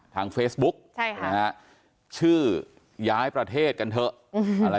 ทางเฟซบุ๊คน์ใช่ชื่อย้ายประเทศกันเถอะอะไร